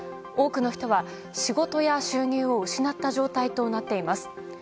多くの人は、仕事や収入を失った状態となっています。